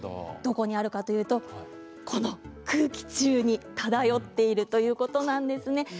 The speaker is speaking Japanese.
どこにあるかというとこの空気中に漂っているということなんですね。